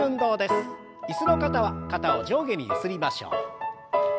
椅子の方は肩を上下にゆすりましょう。